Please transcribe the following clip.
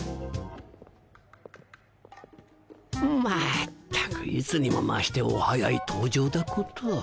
まったくいつにも増してお早い登場だこと。